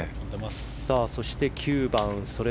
そして、９番。